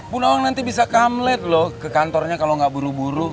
bunawang nanti bisa kamlet loh ke kantornya kalau nggak buru buru